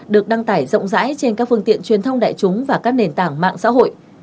được đăng tải rộng rãi trên các phương tiện truyền thông đại chúng và các nền tảng mạng xã hội